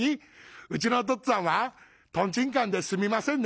『うちのお父っつぁんはトンチンカンですみませんね』。